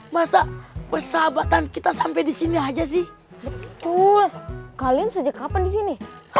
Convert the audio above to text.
masa persahabatan kita sampai di sini aja sih puas kalian sejak kapan di sini